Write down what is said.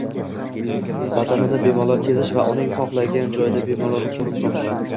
– vatanini bemalol kezishi va uning xohlagan joyida bemalol qo‘nim topishi.